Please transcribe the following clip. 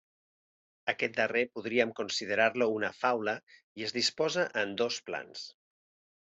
Aquest darrer podríem considerar-lo una faula i es disposa en dos plans.